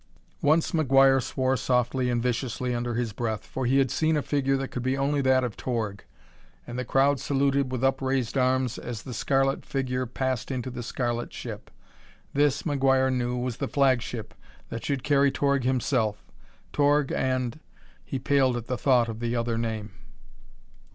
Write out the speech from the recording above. Once McGuire swore softly and viciously under his breath, for he had seen a figure that could be only that of Torg, and the crowd saluted with upraised arms as the scarlet figure passed into the scarlet ship. This, McGuire knew, was the flagship that should carry Torg himself. Torg and . He paled at the thought of the other name.